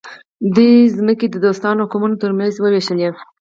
دوی ځمکې د دوستانو او قومونو ترمنځ وویشلې.